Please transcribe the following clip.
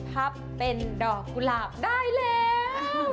ทับเป็นดอกกุหลาบได้แล้ว